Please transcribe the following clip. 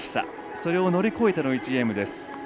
それを乗り越えての１ゲームです。